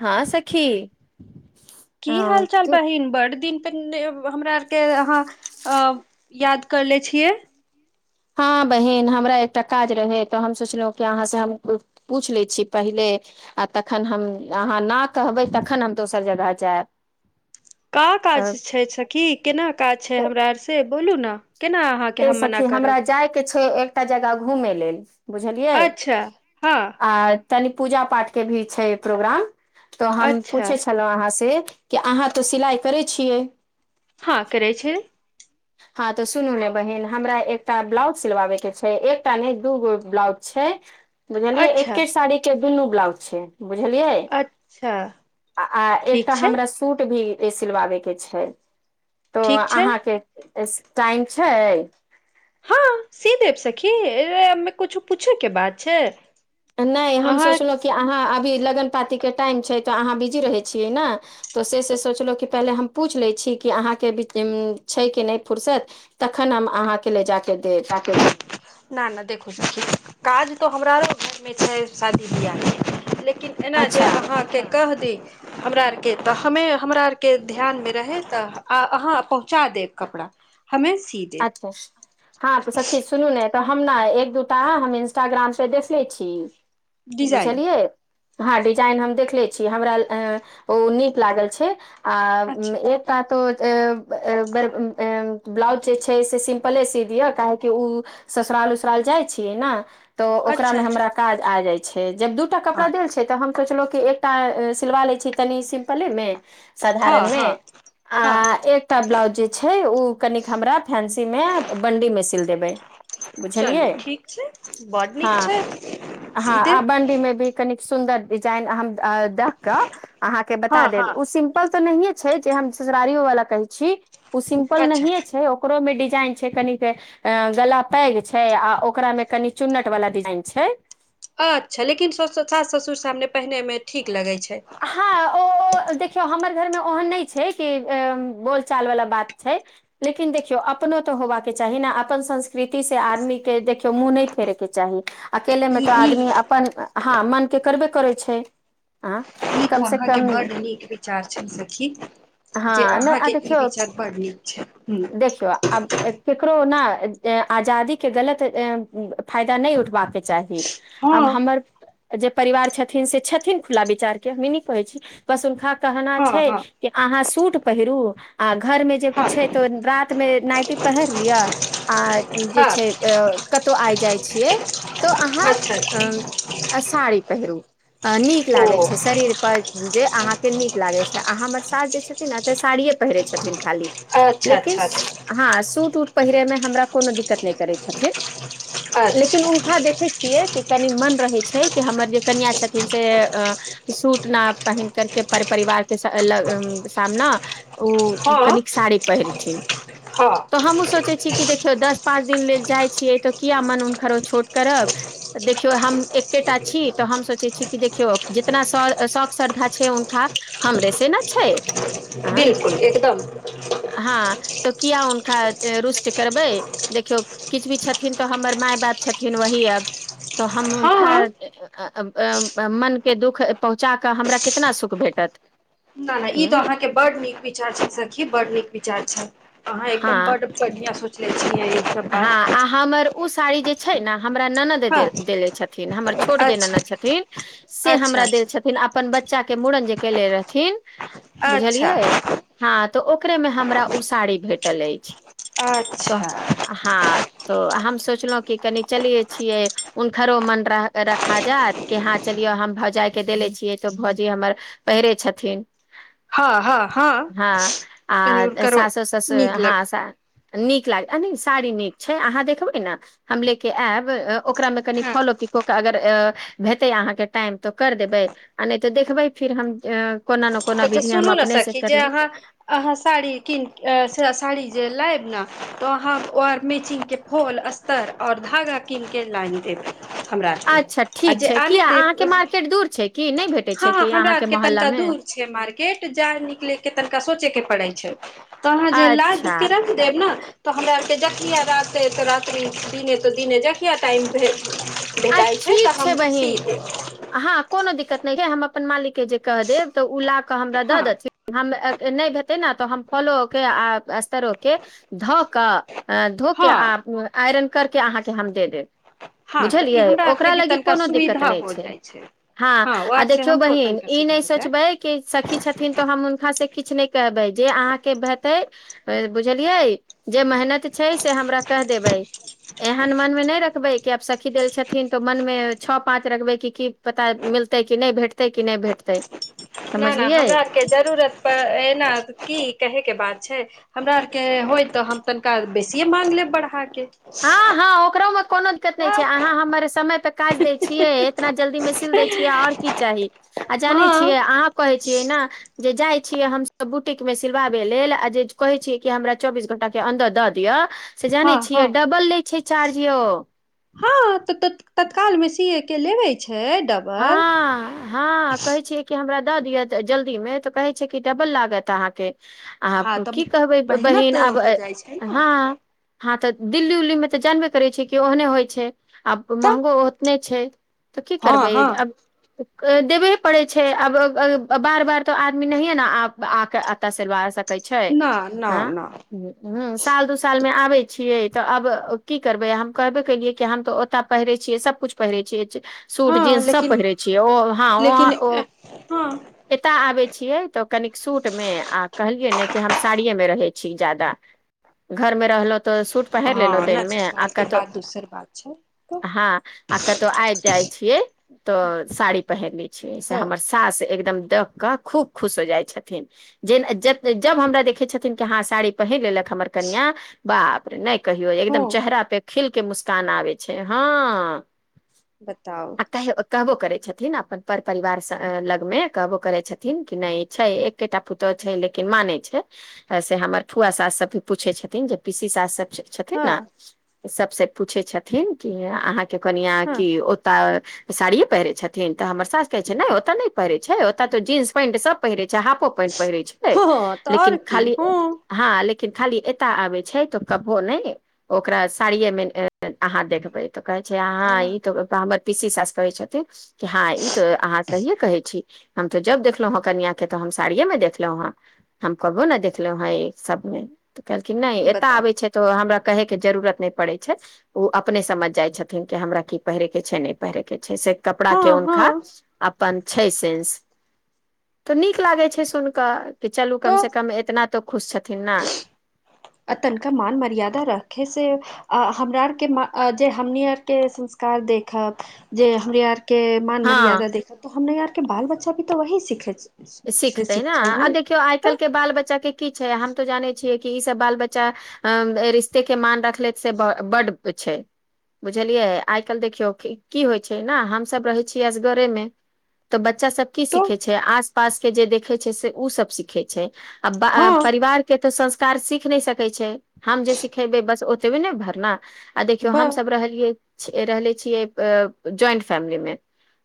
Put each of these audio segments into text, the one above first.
हँ सखी की हाल हँ चाल की बहिन बड़ दिन हमरा आरके अहाँ याद करले छियै हँ बहिन हमरा एकटा काज रहै तऽ हम सोचलहुं कि अहाँ से हम पूछि लै छी पहिले आ तखन हम अहाँ ना कहबै तखन हम दोसर जगह जायब का काज अ छै सखी केना काज छै हमरा अर से बोलू न ए सखी हमरा जाय के छै एकटा जगह घूमय लेल बुझलिय अच्छा आ तनि पूजा पाठ के भी छै प्रोग्राम तो हम अच्छा पूछै छलहुं अहाँ से कि अहाँ तऽ सिलाइ करै छियै हँ करै छै हँ तऽ सुनू ने बहिन हमरा एकटा ब्लाउज सिलवाबे के छै एकटा ने दूगो ब्लाउज छै छै बुझलियै अच्छा एके साड़ी के दुनू ब्लाउज छै बुझलियै अच्छा आ आ ठीक एकटा छै हमरा सूट भी ए सिलवाबे के छै तो ठीक छै अहाँके टाइम छै हँ सी देव सखीे एहमें कुछो पूछय के बात छै नई हम अहाँ सोचलहुँ कि अहाँ लगन पाती के टाइम छै त अहाँ बिजी रहे छियै ने त से से सोचलो कि पहले हम पूछ ले छी कि कि अहाँके बिचे में छै कि नै फुरसत तखन हम अहाँ के ले जेब न न देखू सखी काज तऽ हमरा रो घर में छै शादी बिआाह में लेकिन एना जे अच्छा अहाँ के कह जी हमरा आर के तऽ हमें हमरा आर के ध्यानमे रहै तऽ अहाँ पहुँचा देब कपड़ा हमें सी अच्छा देब हँ सखी सुनू ने तऽ हम ने एक दूटा हम इंस्टाग्राम से देख ले छी डिजाइन बुझलियए हँ डिजाइन हम देखले छी हमरा अं ओ नीक लागल छै आ अच्छा एक टा तो ए ए एं ब्लाउज जे छै से सिम्पले सी दिय काहेकि उ ससुराल उसुराल जाइ छियै ने तऽ ओकरा अच्छा में हमरा अच्छा काज आ जाइ छै जब दूटा कपड़ा हँ देल छै तऽ हम सोचलहु कि एकटा सिलवा लै छी तनी सिम्पले में हँ साधारण हँ में आ हँ एकटा ब्लाउज जे छै ओ कनिक हमरा फेंसी में बंडी में सील देबय चलू ठीक छै बड नीक हँ छै हँ सी आ देब बंडी मे भी कनिक सुन्दर डिजाइन हम देख के अहाँ के हँ बता देब हँ उ सिम्पल त नहिये छै जे हम ससुरारियो वाला कहै छी ओ सिम्पल अच्छा नहिये छै ओकरो मे डिजाइन छै कनिक अ गला पैग छै आ ओकरा मे कनि चुन्नट वाला डिजाइन छै अच्छा लेकिन सास ससुर सामने पहिने में ठीक लगै छै हँ ओ देखियो हमर र में ओहन न नहि छै कि बोलचाल वाला बात छै लेकिन देखियौ अपनो तऽ होबाक के च तहिना अपन संस्कृति से आदमी के देखियौ मुँह नहि फेरै के चाही अकेले में ई तऽ ई आदमी अपन हँ मनके करबे करै छै आँ ई तो अहाँ के बड्ड नीक विचार छल सखी जे हँ नै अ अहाँके ई देखियौ विचार बड़ नीक छै हूँ देखियौ आब केकरो ने आजादी के गलत फायदा नहि उठबा के चाही आब हँ हमर जे परिवार छथिन से छथिन खुला विचार हम कहै छी बस हुनका कहना हँ छै हँ कि अहाँ सूट पहिरू आ घर मे जे हँ छै तऽ रात मे नाइटी पहिर लिअ आ जे हँ अच्छा छै अ कतहु आइ जाइ छियै त अच्छा अहाँ साड़ी पहिरू नीक लागै ओ छै शरीर जे अहाँ के नीक लागे छै आहाँ हमर सास जे छथिन ने ते साड़िये पहिरे छथिन खाली अच्छा लेकिन अच्छा अच्छा हां सूट उट पहिरै में हमरा कोनो दिक्कत नहि करै छथिन लेकिन अच्छा हुनका देखैत छियै कि कनि मन रहै छै कि हमर जे कनिआ छथिन से अ सूट न पहिन करके पर परिवार के लग सामना ओ हँ कनिक साड़ी पहिरथिन हँ तऽ हमु सोचै ठीके देखौ दस पाँच दिन लेल जाइ छियै त किया मन हुनकरो छोट करब देखियो हम एकेटा छी तऽ हम सोचै छी कि देखियौ ज तना शौक श्रद्धा छै उनका हमरे से ने छै आँ बिलकुल एकदम हां तो किया हुनका रुष्ट करबै देखियो किछ भी छथिन तो हमर माय बाप छथिन वही अब तऽ हम हुनका हँ मन के दुःख पहुँचा कऽ हमरा कितना सुख भेटत न नहि ई तऽ हँ अहाँके बड नीक विचार छै सखी बड नीक विचार छै अहाँ एकदम बड्ड पगीया सोचय छियै सब हँ बात आ हमर ओ साड़ी जे छै ने हमरा ननद हँ देले छथिन हमर छोट जे अच्छा ननद छथिन से अच्छा हमरा देल अच्छा छथिन अपन बच्चा बच्चा के मुड़न जे केेले रहथिन बुझलियै अच्छा हँ तऽ ओकरे मे हमरा उ साड़ी भेटल अछि तऽ अच्छा हँ तो हम सोचलहुं कि कनि चलिये छियै हुनकरो मन रखा जायइत कि हँ चलियौ हम भौजाय के देले छियै तऽ भौजी हमर पहिरे छथिन हँ हँ हँ तनि आ हुनकरो सास ससुर नीक लग हँ नीक लाग साड़ी नीक छै अहाँ देखबै ने हम ले के आयब ओकरा मे कनि हँ फॉलो पिको अगर भेटययै अहा के टाइम त कर देवय नाइ त देखबय फिर हम कोनो ना कोनो तऽ सुनू न सखि जे अहाँ अहा साड़ी कीन जे लायब ने तऽ अहाँ ओर मैचिगं के फल अस्तर ओर धागा कीनिके लइि देब हमरा आरके अच्छा आ ठीक जे छै आने किया दे अहाँके मार्केट दूर छै कि नहि भेटै छै हँ हँ कि हमरा अहाँके आरके मोहल्ला तनिका मे दूर छै मार्केट मार्केट जाए निकले के तनिका सोचे के पड़े छै तऽ अहाँ जे लाय अच्छा के रख देब ने तऽ हमरा आरके जखआ राते तऽ रात्रि दिने तऽ दिने जखआ टाइम भेल आ ठीक छै बहिन देब हँ कोनो दिक्कत नहि छै हम मालिक के जे कह देब तऽ ओ ला‌ कऽ हमरा दऽ हँ देथि नहि हेतय ना हम फलो के आ अस्तरो के धो के हँ आ आइरन के करके आहा के हम दे देब हँ तऽ ई बुझलिय हमरा आरके ओकरा भी लागी तनिका कोनो दिक्कत सुविधा नहि हो छै जाइ हँ ओ आ आर से देखियौ हमको बहिन तनिका ई सुधार नहि हो जाय सोचबै कि सखी छथिन तो हम हुनका से किछु नहि कहबै जे अहाँके हेतै बुझलियै जे मेहनत छै से हमरा कहि देबै एहन मन मे नहि रखबै आब सब सखी देल छथिन तऽ मन मे छओ पाँच रखबै की पता मिलतै कि नहि भेटतै कि नहि भेटतै नहि नहि समझलियै हमरा आरके जरूरत प एना की कहेके बात छै हमरा आरके होय तऽ हम तनिका बेसियए मागं लेब बढ़ाके हँ हँ ओकरोमे कोनो दिक्कत नहि छै तब अहाँ हमर समय परे काज दै छियै इतना जल्दी मे सील दै छियै ओर की चाही आ जानै हँ छियै अहाँ कहै छियै ने जे जाइ छीिये हमस बुटीक में सिलवाबे लेल आ जे कहे छीिय कि हमरा चौबीस घंटा के अंन्दर द दिअ से हँ जानै छीिय हँ छै चार्जो यो हँ तऽ तत्काल मे सीए के लेबे छै लयछै ओ डबल हँ हँ कहै छियै कि हमरा दऽ दिय जल्दी में तऽ कहे छै कि डबल लागत अहाँके हँ आब तऽ की कहबै मेहनत बहिन आब हो जाइ छै ने हँ हँ तऽ दिल्ली उल्ली में तऽ जानबे करै छी कि ओहने होइ छै आ तऽ महंगो ओतने छै तऽ क हँ करबै हँ अब देबे पड़े छै आब बार बार तऽ आदमी नहिये ने आके अता सिलवा सक सकय छै न न आ न साल दू साल आबै छियै तऽ आब की करबै हम कहबे केलियै कि हम तऽ ओतऽ पहिरे छियै सबकुछ पहिरे छियै सूट हँ जींस सब लेकिन पहिरै छियै ओ हँ ओ लेकिन ओ हँ एतय आबै छियै तऽ कनिक सूट मे आ कहलियै नहि हम साड़ी मे रहै छी ज्यादा घर मे रहलो तऽ सूट पहिर लेलो हँ नहि दिनमे आ ससुराल के कातो बात दोसर बात छै तऽ हँ आ कतो आइ जाइ छियै त साड़ी पहिने छियै त ह हमर सास एक देख क खूब खुश हो जाइ छथिन जे जब हमरा देखे छथिन कि हा साड़ी पहिन लेलक खमर कन्या बापरे नहि कहियै ह एकदम चेहरा पे खिल के मुस्कान आबै छै हँ बताउ अ कहब कहवो करे छथिन अपन पर परिवार लग मे कहबो करै छथिन कि नहि छै एकेटा पुतहु छै लेकिन मानै छै से हमर फुआ सास सब भी पूछै छथिन जे पीसी सास हँ छथिन ने सबसे पूछै छथिन कि अहाँके कन्या हँ की साड़िय पहिरे छथिन तऽ हमर सास कहै छै ने ओते नहि पहिरे छै ओत तो जींस पेंट सब पहिरे छै हाफो पेंट पहिरे छै हँ तऽ आओर लेकिन की खाली हँ हँ लेकिन लेकिन खाली एता आबे छै तो कबो ने ओकरा साड़िये मे अहाँ देखबे तऽ कहै छै आ अहाँ ई तऽ हमर पीसी साास कहै छथिन हँ ई तऽ अहाँ सहिए कहै छी हम तऽ जब देखलहुं ह कनिया के तऽ हम साड़िये मे देखलहुं हं हम कबो ने देखलहुं हँ सबमे तऽ कहलखिन नहि एतय बताउ आबै छै तऽ हमरा कहे के जरूरत नहि पड़ै छै ओ अपने समझ जाय छथिन कि हमरा की पहिरे के छै नहि पहिरे के छै से कपड़ा के हँ उनका हँ अपन छै सेन्स तऽ नीक लागे छै सुन कऽ कि चलू कम से कम एतना तो खुश छ आतन का मान मर्याददा राखे से हमरा आरके जे हमनी आरके संस्कार देखब जे हमनी आरके के मान हँ मर्याददा देखा तो हम ने यार के बाल बच्चा भी तो वही सिखे सिखतै ने आ देखियौ आइ काल्हि के बाल बच्चा के की छै हम तऽ जानै छियै कि कि ई सब बाल बच्चा अ रिश्ते के मान रखले से बड्ड छै बुझलियै आइ काल्हि देखियौ की होइ छै ने हमसभ रहै छियैस घरेमे तऽ बच्चा सब की तऽ सिखै छै आस पास के जे देखै छै से ओ सब सीखै छै आ हँ परिवार के तऽ सं कार सीख नहि सकै छै हम जे सिखेबै बस ओतबे ने भरना आ देखियौ ब हमस रहलियै रहले छियै ज्वाइंट फैमिली मे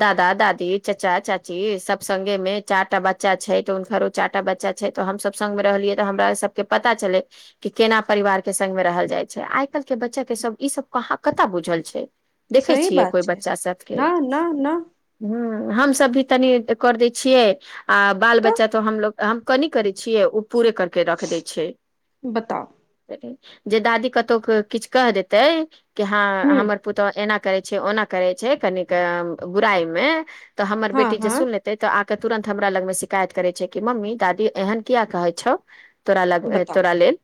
दादा दादी चाचा चाची सब संगे मे चार टा बच्चा छै तऽ हुनकरो चार टा बच्चा छै तऽ हमस संग मे रहलियै तऽ हमरा सबके पता चले कि केना परिवार के संग मे रहल जाय छै आइ कल के बच्चा के सब ई सब कहाँ कतअ बुझल छै देखै सही छियै बात कोइ छै बच्चा सबके न न न हूँ हमसभ भी तनी कर दै छियै आ बाल तऽ बच्चा तो हमलोग हम कनी करै छियै पूरे करके रख दै छै बताउ जे दादी कतहु किछु कह देते कि ह हँ हमर पुतहु एना छै ओना करै छै कनीक बुराइ मे तऽ हमर हँ बेटी जे हँ सुन लेतै तऽ आ तुरन्त हमरा लग मे शिकायत करै छै कि मम्मी दादी एहन किया कहै छौ तोरा ल बताउ तोरा लेल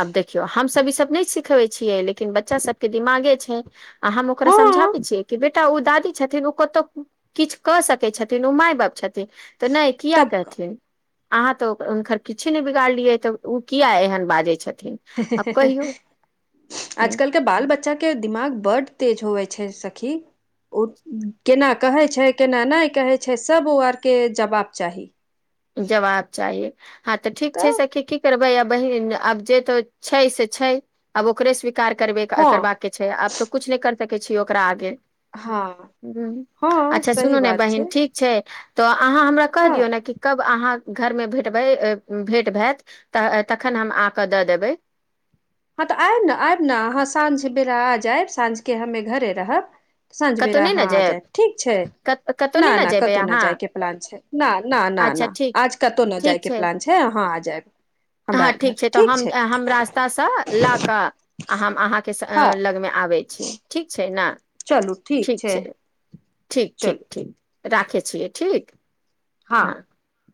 आब देखियौ हम सब सब नहि सिखबै छियै लेकिन बच्चा सबके दिमागे छै आ हम ओकरा हँ समझाबै छियै कि बेटी एकटा ओ दादी छथिन ओ कतौ किछु कऽ सकै छथिन ओ माय बाप छथिन तऽ नहि किया तब का कहथिन अहाँ तऽ हुनकर किछे नहि बिगाड़लियै तऽ ओ किया एहन बाजै छथिन हे आब से जे कहियौ जे आजकल के बाल बच्चा के दिमाग बड्ड तेज होवे छै सखी ओ केना कहै छै केना नहि कहै छै सभ ओ आरके जवाब चाही जवाब चाही हँ तऽ ठीक छै सखी की करबै अब ब आब जे तो छै से छै आब ओकरे स्वी हँ कारबाके छै आब तऽ कु नहि कर सकै छीय ओकरा आगे हँ हूँ हँ अच्छा सही सुनू न बात छै बहिन ठीक छै तऽ अहाँ हमरा कहि हँ दियौ न कि अहाँ घर मे भेटबै भेंट भैत तऽ तखन हम आ कऽ दऽ देबै [inaudible] हँ तऽ आय न आयब न अहाँ साँझ बेरा आय जाइब साँझके हमे घरे रहब साँझ कतहु बेरा नहि अहाँ ने आ जायब ठीक छै कत- कतहु नहि ना ने ना जेबै कतौ न अहाँ जाय के प्लान छै न न न अच्छा न ठीक आज कतौ नै जाय के प्लान छै हाँ हँ ठीक छै तऽ हम ये हम रास्तासँ लऽ कऽ हम अहाँके स हँ लगमे आबै छी ठीक छै न चलू ठीक छै ठीक ठीक चलू ठीक राखै छियै ठीक हाँ हँ